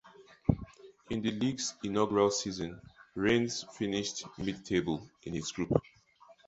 In the league's inaugural season, Rennes finished mid-table in its group.